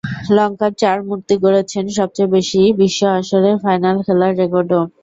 লঙ্কার চার মূর্তি গড়েছেন সবচেয়ে বেশি বিশ্ব আসরের ফাইনাল খেলার রেকর্ডও।